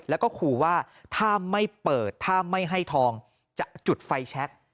แล้วก็ขู่ว่าถ้าไม่เปิดถ้าไม่ให้ทองจะจุดไฟแชค